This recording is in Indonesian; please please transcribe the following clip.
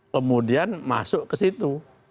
kemudian masuk ke situ